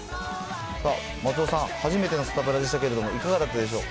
松尾さん、初めてのサタプラでしたけれども、いかがだったでしょう？